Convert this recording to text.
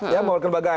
ya memulakan lembaganya